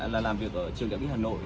là làm việc ở trường đại viện hà nội